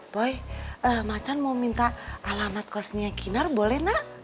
boy macan mau minta alamat kosnya kinar boleh nak